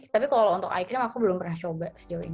tapi kalau untuk iklim aku belum pernah coba sejauh ini